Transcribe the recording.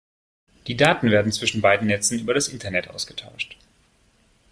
Die Daten werden zwischen beiden Netzen über das Internet ausgetauscht.